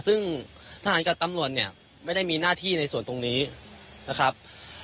ซึ่งทหารกับตำรวจเนี่ยไม่ได้มีหน้าที่ในส่วนตรงนี้นะครับ